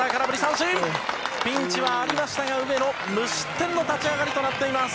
ピンチはありましたが上野無失点の立ち上がりとなっています。